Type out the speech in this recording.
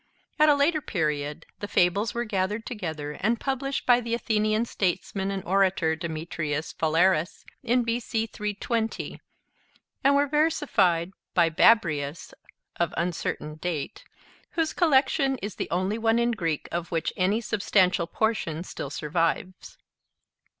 At a later period, the fables were gathered together and published by the Athenian statesman and orator, Demetrius Phalereus, in B.C. 320, and were versified by Babrius (of uncertain date), whose collection is the only one in Greek of which any substantial portion still survives.